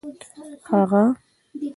هغه